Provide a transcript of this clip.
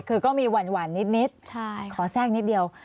คือก็มีหวานนิดขอแทรกนิดเดียว